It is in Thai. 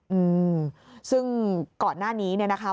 อืมซึ่งก่อนหน้านี้เนี่ยนะคะ